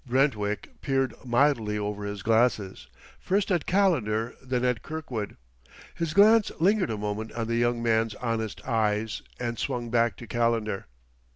Brentwick peered mildly over his glasses, first at Calendar, then at Kirkwood. His glance lingered a moment on the young man's honest eyes, and swung back to Calendar.